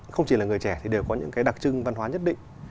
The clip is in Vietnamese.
không chỉ là người trẻ thì đều có những cái đặc trưng văn hóa nhất định